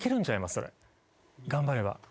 頑張れば。